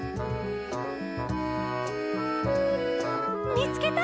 「みつけた！